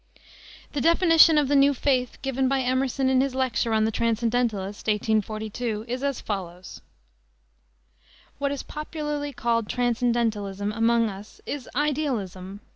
The definition of the new faith given by Emerson in his lecture on the Transcendentalist, 1842, is as follows: "What is popularly called transcendentalism among us is idealism.